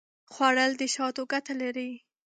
خوړل د شاتو ګټه لري